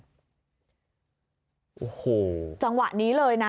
โอ้โหจังหวะนี้เลยนะ